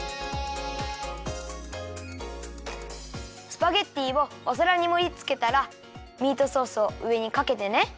スパゲッティをおさらにもりつけたらミートソースをうえにかけてね。